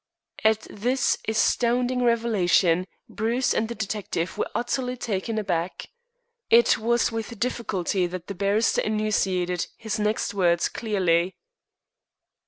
At this astounding revelation Bruce and the detective were utterly taken aback. It was with difficulty that the barrister enunciated his next words clearly.